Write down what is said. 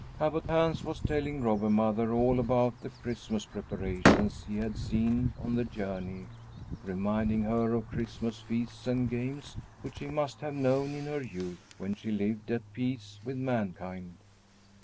Abbot Hans was telling Robber Mother all about the Christmas preparations he had seen on the journey, reminding her of Christmas feasts and games which she must have known in her youth, when she lived at peace with mankind.